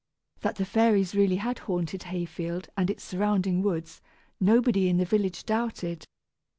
That the fairies really had haunted Hayfield and its surrounding woods, nobody in the village doubted.